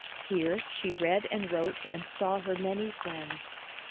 Here she read and wrote and saw her many friends.